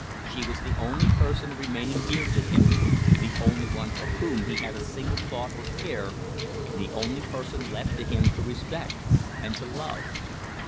She was the only person remaining dear to him, the only one for whom he had a single thought or care, the only person left to him to respect and to love.